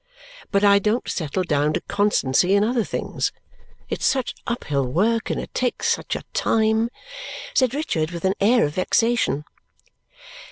but I don't settle down to constancy in other things. It's such uphill work, and it takes such a time!" said Richard with an air of vexation.